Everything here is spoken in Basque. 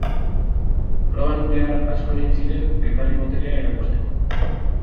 Proba nuklear asko egin ziren elkarri boterea erakusteko.